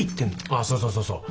あっそうそうそうそう。